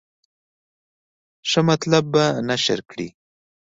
ښه مطالب به نشر کړي.